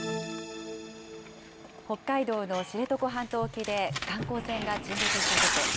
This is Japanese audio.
北海道の知床半島沖で観光船が沈没した事故。